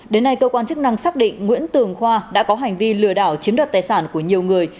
đến nay cơ quan chức năng xác định nguyễn tường khoa đã có hành vi lừa đảo chiếm đoạt tài sản của nhiều người